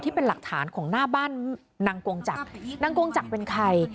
ที่เป็นหลักฐานของหน้าบ้านนางกงจักรนางกงจักรเป็นใคร